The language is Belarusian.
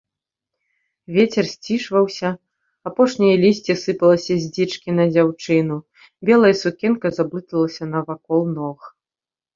Вецер сцішваўся, апошняе лісце сыпалася з дзічкі на дзяўчыну, белая сукенка заблыталася навакол ног.